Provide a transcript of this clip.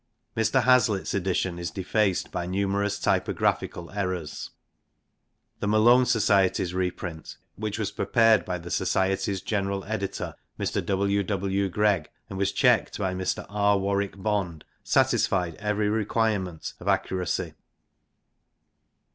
Mr. Hazlitt's edition is defaced by numerous typographical errors. The Malone Society's reprint, which was prepared by the Society's general editor Mr. W. W. Greg and was checked by Mr. R. Warwick Bond, satisfied every requirement of accuracy.